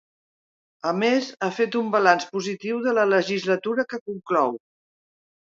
A més, ha fet un balanç positiu de la legislatura que conclou.